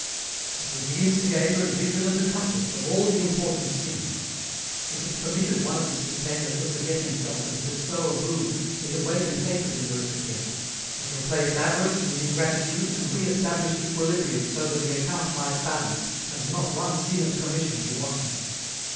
It was the instigator and vigilant accomplice of all the important sins. If it permitted one of its detainers to forget himself and bestow a boon it awakened hatred in the recipient, it replaced avarice with ingratitude and re established equilibrium so that the account might balance and not one sin of commission be wanting.